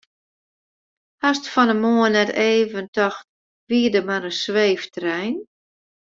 Hast fan 'e moarn net even tocht wie der mar in sweeftrein?